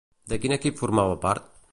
De quin equip formava part?